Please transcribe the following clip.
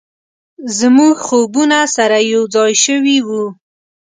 زموږ خوبونه سره یو ځای شوي و،